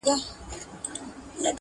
د زنې خال دې د لار ورکو لارښوونکی گراني,